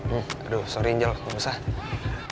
aduh sorry anjel gak usah